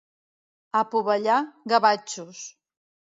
A Pobellà, gavatxos.